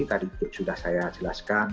tadi sudah saya jelaskan